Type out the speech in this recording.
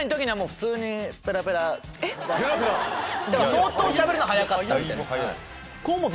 相当しゃべるの早かった。